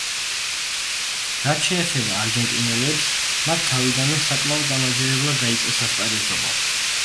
რაც შეეხება არგენტინელებს, მათ თავიდანვე საკმაოდ დამაჯერებლად დაიწყეს ასპარეზობა.